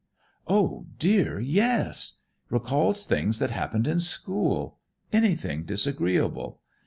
"Oh, dear, yes! Recalls things that happened in school. Anything disagreeable.